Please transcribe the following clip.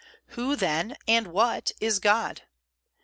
Who, then, and what, is God?